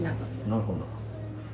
なるほど。